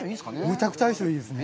むちゃくちゃ相性いいですね。